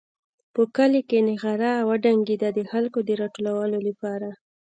په کلي کې نغاره وډنګېده د خلکو د راټولولو لپاره.